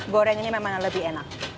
goreng ini memang lebih enak